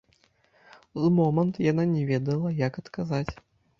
З момант яна не ведала, як адказаць.